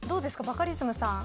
バカリズムさん。